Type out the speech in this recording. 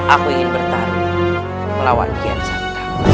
aku ingin bertarung melawan kian santa